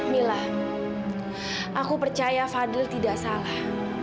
mila aku percaya fadil tidak salah